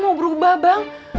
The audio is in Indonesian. mau berubah bang